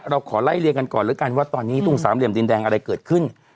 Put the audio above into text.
เราขอไล่เรียงกันก่อนแล้วกันว่าตอนนี้ตรงสามเหลี่ยมดินแดงอะไรเกิดขึ้น